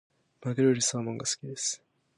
マグロよりサーモンが好きです。